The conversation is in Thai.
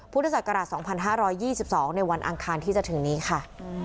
พุทธศักราช๒๕๒๒ในวันอังคารที่จะถึงนี้ค่ะ